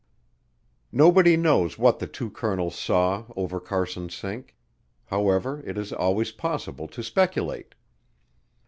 Nobody knows what the two colonels saw over Carson Sink. However, it is always possible to speculate.